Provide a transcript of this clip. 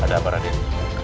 ada apa raden